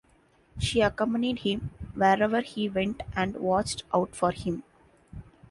She accompanied him wherever he went and watched out for him.